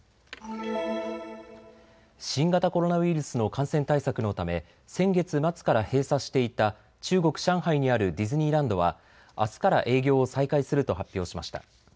新型コロナウイルスの感染対策のため、先月末から閉鎖していた中国・上海にあるディズニーランドはあすから営業を再開すると発表しました。